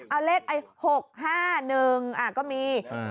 เอาเลขไอ้๖๕๑อ่ะก็มี